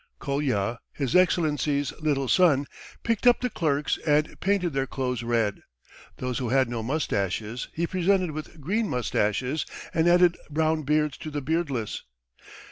Kolya, his Excellency's little son, picked up the clerks and painted their clothes red. Those who had no moustaches he presented with green moustaches and added brown beards to the beardless.